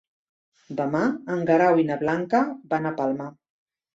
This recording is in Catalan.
Demà en Guerau i na Blanca van a Palma.